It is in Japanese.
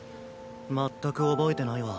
全く覚えてないわ。